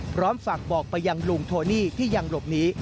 พร้อมฝากบอกไปยังลุงโทนี่ที่ยังหลบหนี